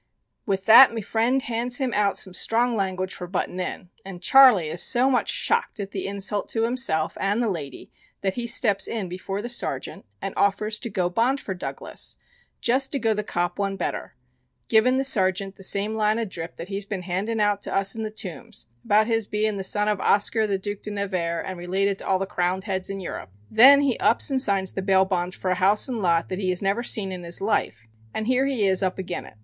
With that me friend hands him out some strong language for buttin' in, and Charley is so much shocked at the insult to himself and the lady that he steps in before the Sergeant and offers to go bond for Douglas, just to go the cop one better, givin' the Sergeant the same line of drip that he has been handin' out to us in the Tombs, about his bein' the son of Oscar, the Duc de Nevers, and related to all the crowned heads in Europe. Then he ups and signs the bail bond for a house and lot that he has never seen in his life. And here he is up agin it.